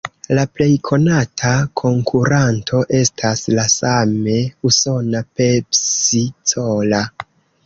La plej konata konkuranto estas la same usona "Pepsi-Cola".